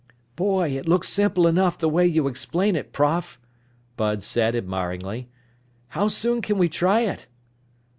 "Boy, it looks simple enough the way you explain it, prof!" Bud said admiringly. "How soon can we try it?"